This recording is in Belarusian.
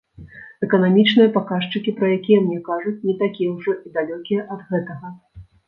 Эканамічныя паказчыкі, пра якія мне кажуць, не такія ўжо і далёкія ад гэтага.